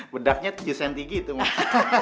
bedaknya tujuh cm tuh mak